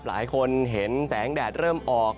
หลายคนเห็นแสงแดดเริ่มออก